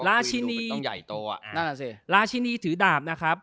ราชินีราชินีถือดับนะครับ